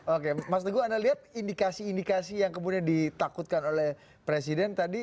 oke mas teguh anda lihat indikasi indikasi yang kemudian ditakutkan oleh presiden tadi